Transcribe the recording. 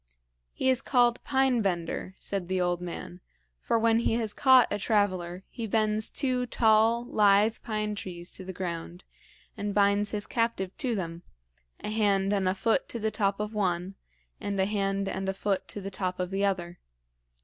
"He is called Pine bender," said the old man; "for when he has caught a traveler, he bends two tall, lithe pine trees to the ground and binds his captive to them a hand and a foot to the top of one, and a hand and a foot to the top of the other.